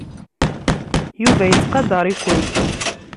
Yuba yettqadar-iken.